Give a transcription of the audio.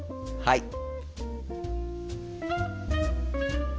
はい。